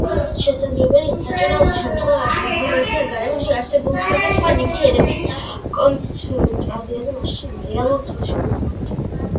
შესაძლებელია საჭიროების შემთხვევაში, ინფორმაცია გარემოში არსებულ, სხვადასხვა ნივთიერების კონცენტრაციაზე მაშინათვე, რეალურ დროში მივიღოთ.